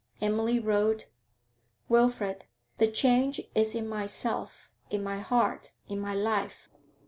Emily wrote: 'Wilfrid, The change is in myself, in my heart, in my life.